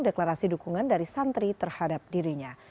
deklarasi dukungan dari santri terhadap dirinya